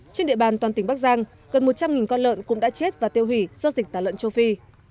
trên địa bàn toàn tỉnh bắc giang gần một trăm linh con lợn cũng đã chết và tiêu hủy do dịch tả lợn châu phi